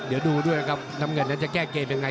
เดี๋ยวดูด้วยครับน้ำเงินนั้นจะแก้เกมยังไง